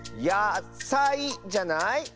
やさいじゃない？